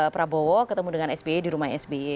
prabowo ketemu dengan sbe di rumah sbe